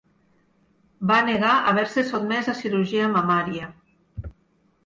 Va negar haver-se sotmès a cirurgia mamària.